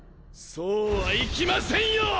そうはいきませんよ！